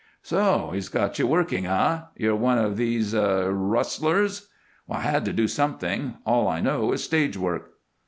"So! He's got you working, eh? You're one of these rustlers!" "I had to do something. All I know is stage work."